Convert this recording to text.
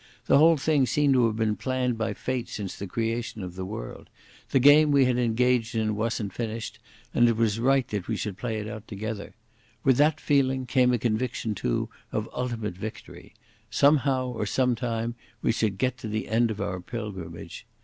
The whole thing seemed to have been planned by fate since the creation of the world. The game we had been engaged in wasn't finished and it was right that we should play it out together. With that feeling came a conviction, too, of ultimate victory. Somehow or sometime we should get to the end of our pilgrimage.